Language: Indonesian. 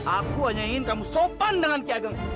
aku hanya ingin kamu sopan dengan ki ageng